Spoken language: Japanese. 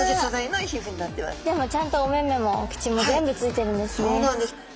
でもちゃんとお目々もお口も全部付いてるんですね。